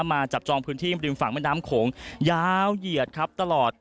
มาจับจองพื้นที่ริมฝั่งแม่น้ำโขงยาวเหยียดครับตลอด